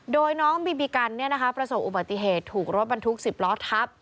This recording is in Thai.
โดยน้องบีบีกันประสบอุบัติเหตุถูกรถบรรทุก๑๐ล้อทับ